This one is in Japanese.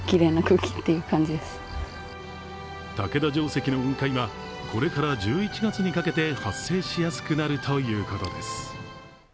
竹田城跡の雲海はこれから１１月にかけて発生しやすくなるということです。